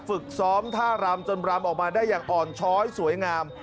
ฝึกซ้อมท่ารำจนรำออกมาได้อย่างอ่อนช้อยสวยงาม